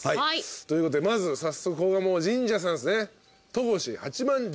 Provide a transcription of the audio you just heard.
ということでまず早速ここ神社さんっすね。